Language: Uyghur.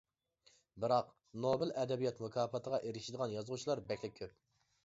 بىراق، نوبېل ئەدەبىيات مۇكاپاتىغا ئېرىشىدىغان يازغۇچىلار بەكلا كۆپ.